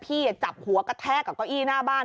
จับหัวกระแทกกับเก้าอี้หน้าบ้าน